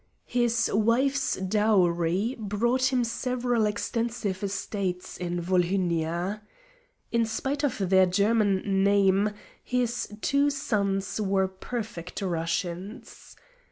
His wife's dowry brought him several extensive estates in Volhynia. In spite of their German name his two sons were perfect Russians.